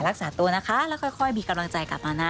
รักษาตัวนะคะแล้วค่อยมีกำลังใจกลับมานะ